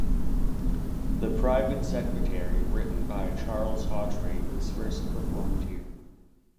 "The Private Secretary", written by Charles Hawtrey, was first performed here.